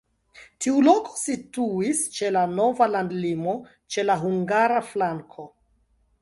Tiu loko situis ĉe la nova landolimo, ĉe la hungara flanko.